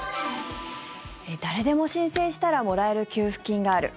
誰でも申請したらもらえる給付金がある。